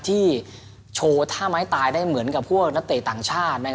ที่โชว์ท่าไม้ตายได้เหมือนกับพวกนักเตะต่างชาติ